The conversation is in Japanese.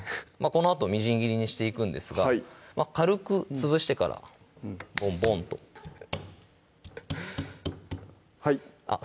このあとみじん切りにしていくんですが軽く潰してからボンボンとはいあっ